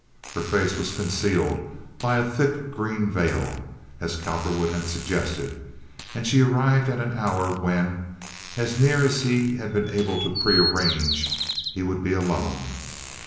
Her face was concealed by a thick green veil, as Cowperwood had suggested; and she arrived at an hour when, as near as he had been able to prearrange, he would be alone.